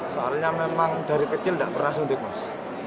soalnya memang dari kecil nggak pernah suntik mas